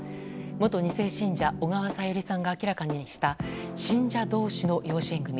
元２世信者小川さゆりさんが明らかにした信者同士の養子縁組。